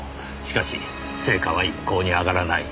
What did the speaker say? しかし成果は一向に上がらない。